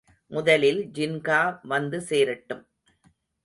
முதலில் ஜின்கா வந்து சேரட்டும்.